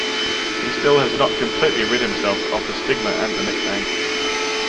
He still has not completely rid himself of the stigma and the nickname.